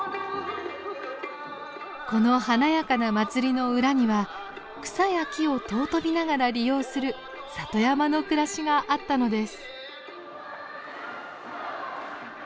この華やかな祭りの裏には草や木を尊びながら利用する里山の暮らしがあったのです。